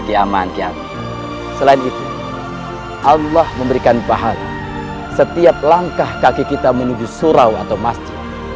selain itu allah memberikan bahan setiap langkah kaki kita menuju surau atau masjid